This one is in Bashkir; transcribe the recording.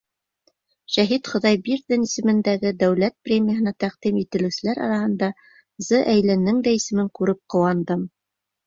Шәһит Хоҙайбирҙин исемендәге дәүләт премияһына тәҡдим ителеүселәр араһында З. Әйленең дә исемен күреп ҡыуандым.